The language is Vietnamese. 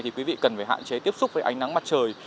thì quý vị cần phải hạn chế tiếp xúc với ánh nắng mặt trời